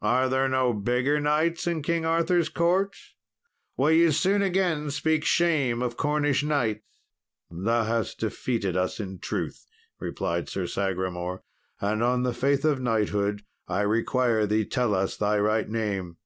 Are there no bigger knights in King Arthur's court? Will ye soon again speak shame of Cornish knights?" "Thou hast defeated us, in truth," replied Sir Sagramour, "and on the faith of knighthood I require thee tell us thy right name?"